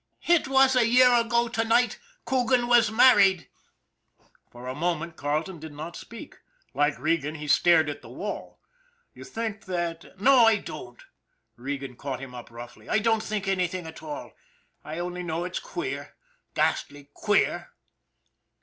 It's a year ago to night Coogan was married/' For a moment Carleton did not speak; like Regan, he stared at the wall. " You think that "" No, I don't " Regan caught him up roughly " I don't think anything at all. I only know it's queer, ghastly queer."